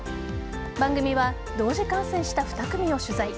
番組は同時感染した２組を取材。